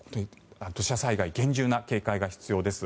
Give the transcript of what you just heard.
土砂災害厳重な警戒が必要です。